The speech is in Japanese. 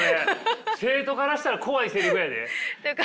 生徒からしたら怖いせりふやで。